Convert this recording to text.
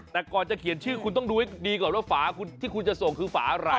แต่ก่อนจะเขียนชื่อคุณต้องดูให้ดีก่อนว่าฝาที่คุณจะส่งคือฝาอะไร